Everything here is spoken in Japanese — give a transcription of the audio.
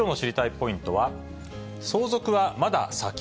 ポイントは、相続はまだ先？